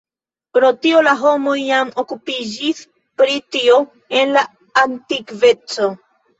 Pro tio la homoj jam okupiĝis pri tio en la antikveco.